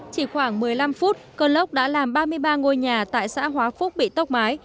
chỉ khoảng một mươi năm phút cơn lốc đã làm ba mươi ba ngôi nhà tại xã hóa phúc bị tốc mái